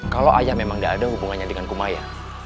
kalau ayah memang tidak ada hubungannya dengan kumaya